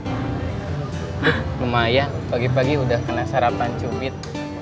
buk lumayan pagi pagi udah kena sarapan cupit